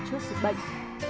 trước sự bệnh